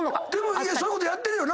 そういうことやってるよな？